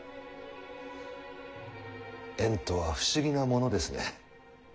縁とは不思議なものですね。